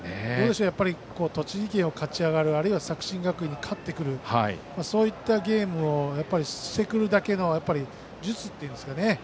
栃木県を勝ち上がるあるいは作新学院に勝ってくるというそういったゲームをしてくるだけの術というんですかね